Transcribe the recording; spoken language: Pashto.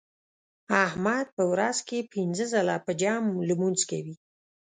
احمد په ورځ کې پینځه ځله په جمع لمونځ کوي.